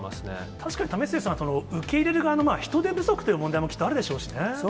確かに為末さん、受け入れる側の人手不足という問題もきっとあるでしょうしね。